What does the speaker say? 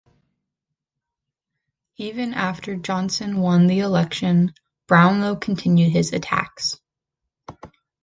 Even after Johnson won the election, Brownlow continued his attacks.